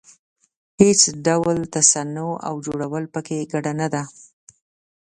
هېڅ ډول تصنع او جوړول په کې ګډه نه ده.